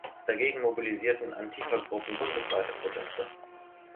Dagegen mobilisierten Antifagruppen bundesweite Proteste.